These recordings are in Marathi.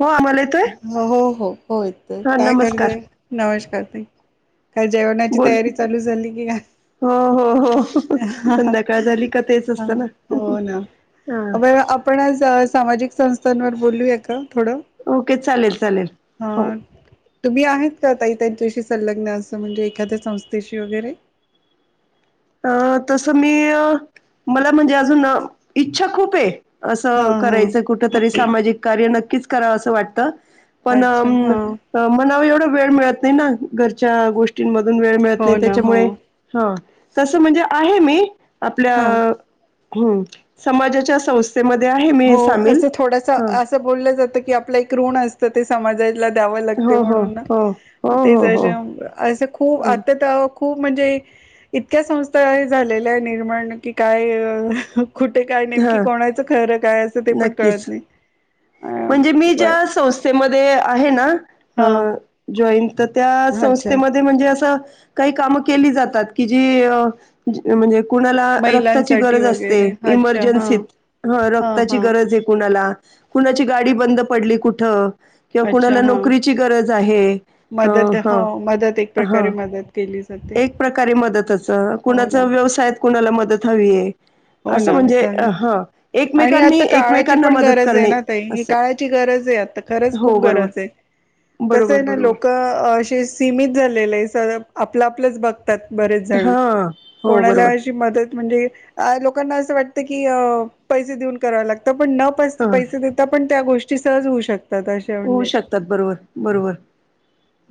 हो आम्हाला येतोय हो हो होय हा काय नमस्कार करतय नमशकारते काय जेवणाची बोल तयारी चालू झाली की का हो हो हो संध्याकाळ झाली का तेच असतं ना हो ना हा आपण आज सामाजिक संस्थांवर बोलूया का थोडं चालेल चालेल हा हो तु्ी आहे ताई त्यांच्याशी संलग्न असं म्हणजे एखाद्या संस्थेशी वगैरे अ तसं मी मला म्हणजे अजून इच्छा खूप आहे हा असं हा करायचं कुठ तरी सामाजिक कार्य नक्की नक्कीच करावं असं वाटतं पण अच्छा हा म्हणा एवढं वेळ मिळत नाही ना घरच्या गोष्टी मधून वेळ मिळत हो नाही ना हो त्याच्यामुळे हा तसं म्हणजे आहे मी आपल्या हा. हम्म समाजाच्या संस्थे हो असं थोडसा असं बोललं जातं की आपला एक ऋण आस त ते समाजात ला द्याव लागते हो हो म्हणून ना हो हो हो तेच हो आस खूप हो आता खूप म्हणजे इतक्या संस्था हे झालेल्या आहेत निर्माण की काय कुठे हा कायनेमकी कोणाचं खर काय आसं ते पण नक्कीच. कळत नाही. म्हणजे मी बर ज्या संस्थेमध्ये आहे ना हा जॉईन तर त्या अच्छा संस्थेमध्ये म्हणजे आसं काही कामं केली जातात की जी म्हणजे कुणाला रक्ताची महिलांसाठी गरज असते वगैरे अच्छा हा इमर्जन्सीत हा रक्ताची गरज हे कुणाला [inaudible] कुणाची गाडी बंद पडली कुठं किंवा अच्छा कुणाला हा नोकरीची गरज आहे अ मदत हा हो मदत एक प्रकारे हा मदत केली जाते एक प्रकारे मदतच हो कुणाच ना व्यवसायात कुणाला मदत हवीये हो आसं ना म्हणजे चालेल. हा एकमेकांनी एकमेकांना मदत करणे. हे असं. काळाची गरज हे आता खरचं हो खूप बरोबर. गरज हे कसं हे बरोबर ना बरोबर लोकं अशी सीमित झाले आहेत सगळं आपलं आपलआपलाच बघ तात बरेच जण हा हो कोणाला बरोबर अशी मदत म्हणजे अ लोकांना असं वाटतं की पैसे देऊन कराव लागत पण न हा पैसे देता पण त्या गोष्टी ष्टी सहज होऊ शक होऊ शकतात बरोबर बरोबर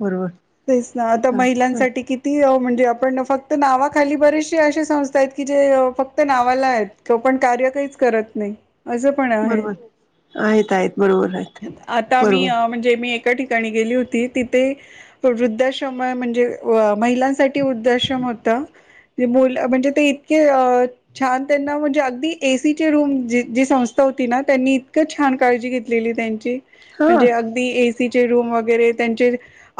बरोबर तेच ना आता हा हा महिलांसाठी किती म्हणजे आपण फक्त नावाखाली बरीेशी अशी संस्था आहेत की जे फक्त नावाला आहेत क पण कार्य काहीच करत नाही. असं पण आहे बरोबर आहेत आहेत बरोबर आहेत बरोबर काही ठिकाणी गेली होती तिथे वृद्धाश्रम आहे म्हणजे महिलांसाठी वृद्धाश्रम होत मुलं म्हणजे ते इतके छान त्यांना म्हणजे अगदी ए. सी चे रूम जी संस्था होती ना त्यांनी इतकं छान काळजी घेतलेली त्यांची हा म्हणजे अगदी ए सी चे रूम वगैरे त्यांचे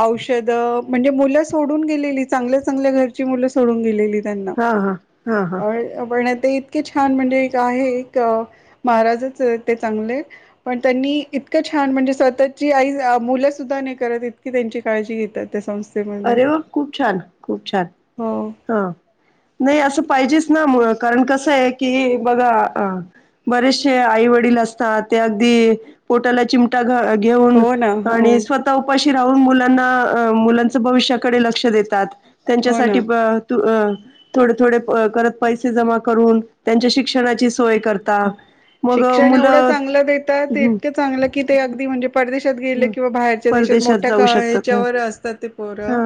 औषधं म्हणजे मुलं सोडून गेलेली चांगल्या चांगल्या घरची मुलं सोडून गेलेली त्यांना हा हा हा हा [unintelligible] ते इतके छान म्हणजे एक आहे एक महाराजच ते चांगले पण त्यांनी इतकं छान म्हणजे स्वतःची आई मुलं सुद्धा नाही करत इतकी त्यांची काळजी घेतात त्या संस्था अरे वा खूप छान खूप छान हो हा नाही असं पाहिजेच ना मुळत कारण कस आहे की बघा बरेचसे आई वडील असतात अगदी पोटाला चमटा घेऊन हो ना हो आणि स्वतः उपाशी - ती राहून मुलांना मुलंच भविष्याकडे लक्ष देतात हो ना त्यांच्यासाठी प तू अ थोडे थोडे पैसे जमा करून त्यांच्या शिक्षणा शिक्षण एवढं चांगलं देतात हं इतकं चांगलं की ते अगदी म्हणजे परदेशात गेले हं किंवा बाहेरच्या देशात परदेशात मोठ्या जाऊ शकतात. कॉलेच्यावर असतात ते हा खरं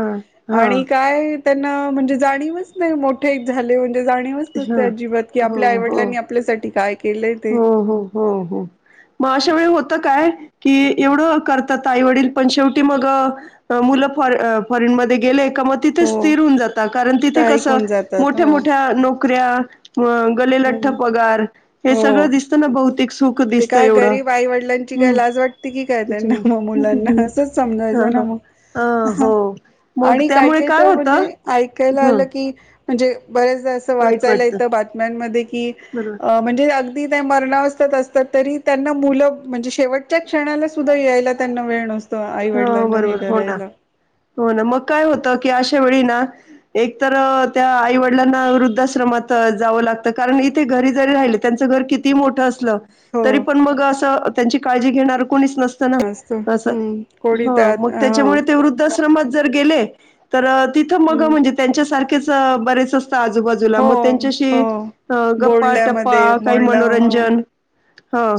हा आणि काय- त्यांना म्हणजे जाणीवच नाही मोठे झाले जाणीवच नसते हा अजिबात की हो आपल्या हो. आईवडालांनी आपल्यासाठी केलंय ते हो हो हो हो मग अशा वेळी होत काय की एवढ करतात आई वडील पण शेवटी मग मुले फॉरेनमध्ये गेले का मग तिथे हो स्थिर होऊन जातात कारण तिथे स्थायिक कसं होऊन जातात हो मोठे मोठे नोक क्रिया म गलेलठ्ठ हम्म पगार हे हो सगळं दिसतं ना भौतिक सुख ते दिसतं काय एवढं गरीब आई वडिलांची काय हम्म लाज वाटते की काय त्यांना मग त्यांच्याने मुलांना असंच हा समजायचं ना हा मग हा हो मग आणि त्यामुळे काही काय तर म्हणजे होतं ऐकायला हम्म आलं की म्हणजे बऱ्याचदा असं वाचायला येत बात म्यान मधे की बरोबर. म्हणजे अगदी अगदी त्या मरणावस्थात असतात तरी त्यांना मुलं म्हणजे शेवटच्या क्षणाला सुद्धा यायला त्यांना वेळ नसतो. आई हा वडिलांना हे बरोबर हो ना, करायला हो ना, मग काय होत की अशा वेळी ना एक तर त्या आईवडिलांना वृद्धाश्रमात जाव लागत कारण इथे घरी जरी राहिलं, त्याचं घर कितीही मोठं असलं हो तरी पण मग असं त्यांची काळजी घेणार कोण कोणीच नसतं ना असतो असं. हम्म कोणी हा त्यात मग हा त्यांच्यामुळे ते वृद्ध आश्रम मधे जर गेले तर तिथं मग हम्म म्हणजे त्यांच्यासारखे ते बरेच अस आजूबाजूला हो मग हो त्यांच्याशी अह बोलण्यामध्ये गप्पाटप्पा, काही बोलणं हो मनोरंजन हा.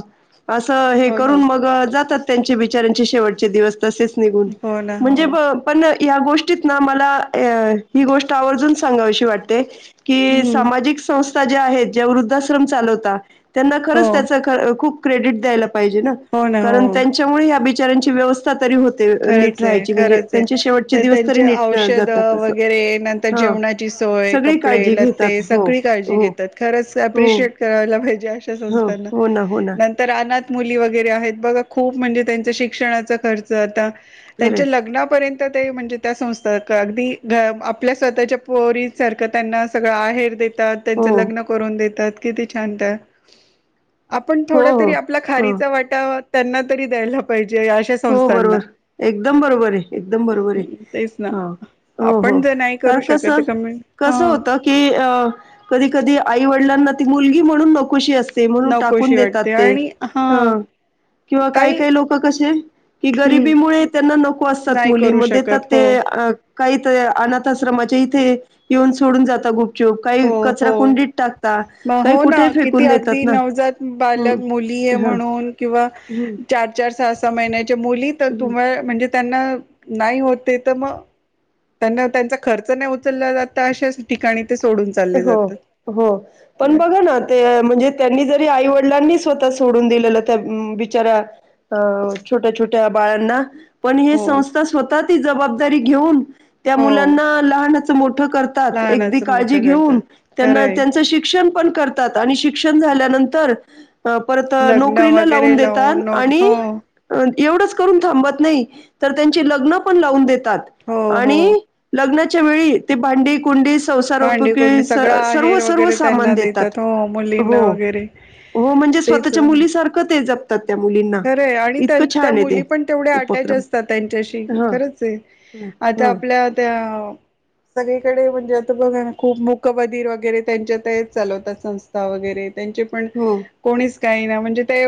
असं हे हो ना करून मग जातात त्यांचे बिचाऱ्यांचे शेवटच दिवस तसेच निघून हो ना हो म्हणजे बघ पण या गोष्टीत ना मला अह ही गोष्ट आवर्जून सांगावीशी वाटते कि हम्म सामाजिक संस्था जे आहेत जे वृद्धाश्रम चालवतात त्यांना हो खरंच त्याच खर खूप क्रेडीट द्यायला पाहिजे ना हो ना कारण हो त्यांच्यामुळे ह्या बीच बिचाऱ्याची व्यवस्था स्था तरी होते नीट खरंच आहे राहायची म्हणजे खरच आहे त्यांचे शेवटचे तर दिवस तरी त्यांचे नीट अ, औषध जातात असं वगैरे नंतर हा जेवणाची सोय, सगळी कपडे काळजी घेतात लत्ते हो. सगळी काळजी हो घेतात खरंच हो अप्रिशिएट करायला पाहिजे अशा हो संस्थांना. हो ना हो ना नंतर अनाथ मुली वगैरे आहेत बघा खूप म्हणजे त्यांचा शिक्षणाचा खर्च आता खरंय त्यांच्या लग्नापर्यंत ते म्हणजे त्या संस्था अगदी आपल्या स्वतःच्या पोरी सारखं त्यांना सगळं आहेर देता त, त्यांच हो. लग्न करून देतात. किती छान ते आपण हो थोड तरी हो आपला हो खारीचा वाटा त्यांना तरी द्यायला पाहिजे. अशा हो संस्थांना बरोबर एकदम बरोबर आहे. एकदम बरोबर आहे तेच ना ह हो हो आपण जर नाही करू कारण कस शकत कमी ह कस होत की कधी कधी आई वडिलां- मुलगी म्हणून नौकशी असते म्हणून टाकून नकोशी देतात वाटते ते आणि हा ह किंवा काही काही लोक कसे कि गरिबीमुळे त्यांना नको असतात नाही करू मुलीमध्ये तर शकत हो ते काही तर अनाथ आश्रमाच्या इथे येऊन सोडून जातात गुप- हो हो मग हो काही ना कुठे किती फेकून अगदी देतात ना नवजात हम्म बालक मुली आहे हा म्हणून किंवा हम्म चार चार सहा सहा महिने मुली तर हम्म तुम्हा म्हणजे त्यांना नाही होते तर मग त्यांना त्यांचा खर्च नाही उचलला जात अशाच ठिकाणी ते सोडून चालले हो जातात हो पण बघा ना ते म्हणजे त्यांनी जरी आई व- -डिलांनी स्वतः सोडून दिलेलं त्या बिचऱ्या अं छोट्या छोट्या बाळांना पण हे हो संस्था स्वतः ती जबाबदा - -री घेऊन त्या हो मुलांना लहानच मो करतात एकदी लहानाचं काळजी ते मोठं घेऊन करतात त्यांना खरंय त्यांचे शिक्षण पण करतात आणि शिक्षण झाल्यानंतर परत लग्न नोकरीला लावून वगैरे देतात हो आणि एवढंच करून थांबत नाही तर त्यांची लग्न पण लावून देत देतात हो हो आणि लग्न च्या वळी ते भाडी कुंडी संसार भांडी सगळा हेर वगैरे त्यांना देतात हो हो, मुलींना वगैरे तेच जप खरं आणि त्या ते मुली पण तेवढ्या अटॅच उपक्रम. असतात त्यांच्याशी हां, खरंच आहे आता हां, आपल्या त्या सगळीकडे म्हणजे आता बघा खूप मूकबधीर वगैरे त्यांच्यात चालवतात संस्था वगैरे त्यांचे पण हो. कोणीच काही ना म्हणजे ते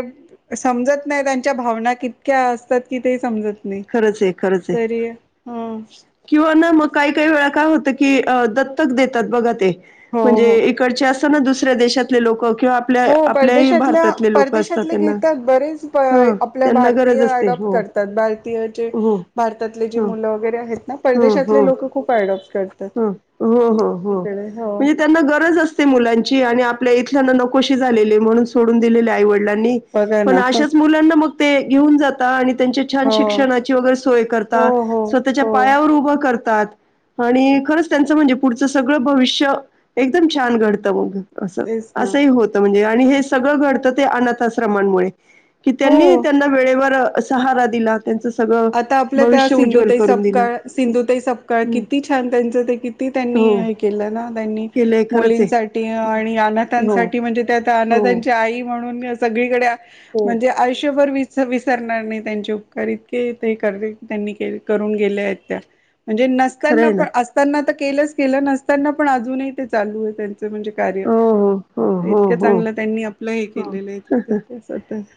समजत नाही त्यांच्या भावना कितक्या असतात की ते समजत नाही. खरंच आहे खरंच आहे तरी ह किंवा ना मग काही काही वेळा काय होत की दत्तक देतात बघा ते हो म्हणजे हो इकडचे असताना दुसऱ. दुसऱ्या देशातले लोक हो परदेशातल्या असतात परदेशातले त्यांना घेतात बरेच हां, आपल्या त्यांना भारतीय गरज असते. अडॉप्ट हो, करतात भारतीय हो, भारतातले जे हो, मुलं वगैरे आहेत ना हो, परदेशातले हो. लोक खूप अडॉप्ट करतात हं. हो, हो, हो. तिकडे हो. म्हणजे त्यांना त्यांनानकोशी झालेले म्हणून सोडून दिलेले आई वडिलांनी लां बघा पण ना अशाच मुलांना मग ते. घेऊन जाता आणि त्यांचे छान हो शिकते. वरे सोय कर हो हो स्वतच्या हो पायावर उभे करतात. आणि खरंच त्यांचं म्हणजे पुढचं सगळं भविष्य एकदम छान घडतं मग. असं तेच ना असंही होतं म्हणजे आणि हे सगळं घडतं ते अनाथ अस. प्रमाण मुळे कि त्यांनी हो त्यांना वेळेवर सहारा दिला. त्यांचं सगळं आता आपल्या त्या भविष्य उज्ज्वल सिंधुताई, करून दिलं. सपकाळ असं. सिंधुताई सपकाळ हं. किती छान त्यांचं ते किती त्यांनी हो. हे केलं ना त्यांनी केलंय खरंच आहे मुलींसाठी, आणि हो अनाथांसाठी म्हणजे त्या हो अनाथांची आई म्हणून सगळीकडेच हो म्हणजे आयुष्यभर विसरणार नाही त्यांचे उपकार ते [unintelligible] त्यांनी के करून गेल्या आहेत त्या म्हणजे खरं नसताना आहे ना पण असताना तर केलंच केलं नसताना पण अजूनही ते चालू आहे त्यां कार्य हो हो हो हो इतक हो चांगलं त्यांनी आपला हे हो केलेल आहे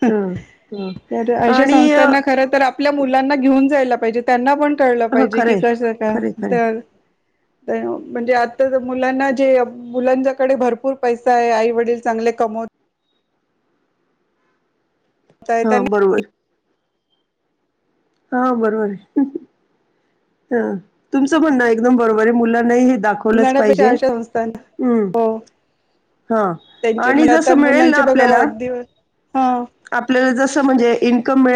हं हं अश्या आणि संस्थाना आपण मुलांना घेऊन जायला पाहीजे त्यांना पण कळलं ह पाहिजे की खरे कसं काय खरे खरे तर म्हणजे आता मुलांना जे मुलांच्याकडे भरपूर पैसा आहे आई वडील चांगले कमवत आहे हा त्यांना बरोबर हा बरोबर आहे हा तुमचं म्हणण एकदम बरोबर आहे मुला नाही हे घेऊन दाखवलं जाण्यापेक्षा पाहिजे अशा संस्थांना हो ह त्यांचे आणि म्हणजे जस आता मिळेल ना मुलांचे बघा आपल्याला वाढदिवस हा आपल्याला जस म्हणजे इनकम..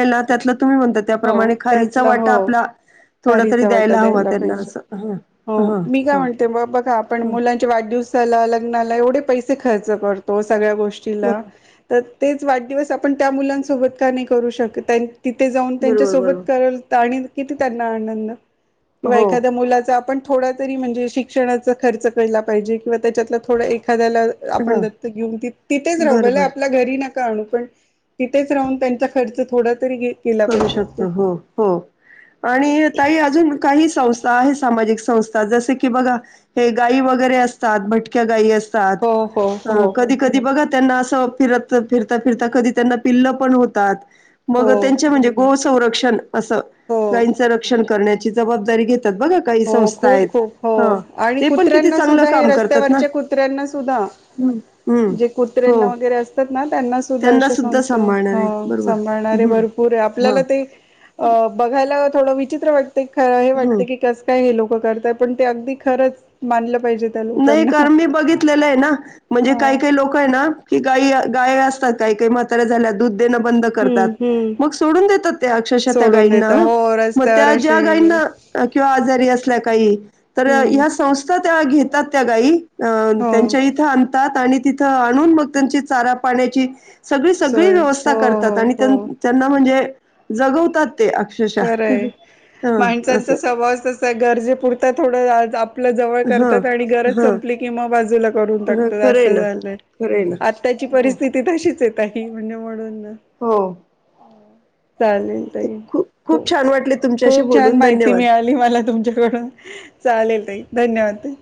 हो त्यातला हो थोडा तरी खरीचा वाटा हवा द्यायला त्यांना पाहिजे असं ह हो ह मी काय म्हणते बा बघा आपण ह मुलांचे वाढदिवस लग्नाला एवढे पैसे खर्च करतो सगळ्या गोष्टीला बरोबर तर तेच वाढदिवस आपण त्या मुलांसोबत का नाही, करू शकत तिथे बरोबर बरोबर. त्यांच्यासोबत [unintelligible] आणि. किती त्यांना आनंद किंवा हो एखाद्या मुलाच आपण थोडा तरी म्हणजे शिक्षणाचा खर्च कळला पाहिजे किंवा त्याच्यातला थोडा एखाद्याला आपण हां. दत् घेऊन तिथेच राहू बरं बला बरं आपल्या घरी न तथेच राहुन त्यांचा खर्च थोडा तरी केला करू पाहिजे शकत आपण हो हो आणि ताई अजून काही संस्था आहे सामाजिक संस्था जस की बघा हे गायी वगैरे, असतात भटक्या गायी, हो हो हो असुन. कधी कधी बघा त्यांना असं फिरत फिरता फिरता कधी त्यांना पिल्ल पण होतात. हो बघत म्हणजे गो संरक्षण.. असं हो गायींचं रक्षण करण्या ज घ हो खूप खूप हो आणि ते पण किती कुत्र्यांना चांगलं सुद्धा हे काम करतात ना रस्त्यावरच्या कुत्र्यांना सुद्धा हम्म जे कुत्र्यांना हो. वगैरे असतात त्यांना सुद्धा त्यांना अे संस्थ सांभाळणार आहेत बरोबर सांभाळणारे हम्म भरपूर हा आपल्याला ते अ बघायला थोड विचित्र वाट ते खरं हम्म वाटत की काक पणग खर मा नाही कारण मी बघितलेलं आहे ना म्हणजे हा काही काही लोक आहे ना की गाई गा असात काही काही मातारे झाल्या दुध सोड अ गाना हम्म हम्म सोडून देत हो रस्त्यावर गा असे का हम्म घ त्यागाई अ हो त्यांच्या इथं आणतात आणि तिथं आणून मग त्यांची चारा पाण्याची सगळी सगळी सोय व्यवस्था हो करतात हो आणि त्यां हो त्यांना म्हणजे जगवतात ते अक्षरशः खरंय ह माणसांचा असं सवास तसा आहे गरजेपुरत थोडं आप आप जवळ ह करतात आणि गरज ह संपली कि म बाजू लागत हा खरंय ना खरंय ना आची परथ म्हणजे म्हणून ना हो चालेल त खूप खूप छान वाटले तुमच्याशी खूप छान बोलून माहिती धन्यवाद मिळाली मला तुमच्याकडून चालेल त धन्यवाद ते